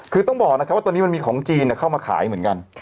คือต้องบอกนะครับว่าตอนนี้มันมีของจีนเข้ามาขายเหมือนกัน